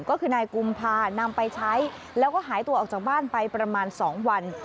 ก็คือนายกุมภานำไปใช้แล้วก็หายตัวออกจากบ้านไปประมาณ๒วัน